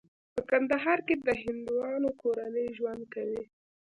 په کندهار کې د هندوانو کورنۍ ژوند کوي.